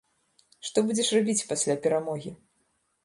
Што будзеш рабіць пасля перамогі?